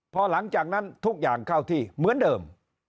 พอหลังจากนั้นทุกอย่างเข้าที่เหมือนเดิม